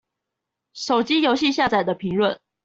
手機遊戲下載的評論